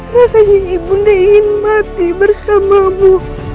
rasanya ibunda ingin mati bersamamu